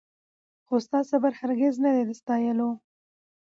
خو ستا صبر هرګز نه دی د ستایلو